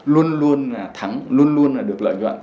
luôn luôn là thắng luôn luôn là được lợi nhuận